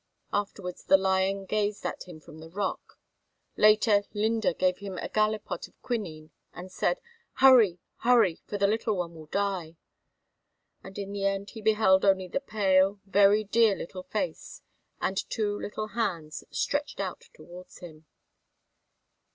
Afterwards the lion gazed at him from the rock; later Linde gave him a gallipot of quinine and said: "Hurry, hurry, for the little one will die." And in the end he beheld only the pale, very dear little face and two little hands stretched out towards him.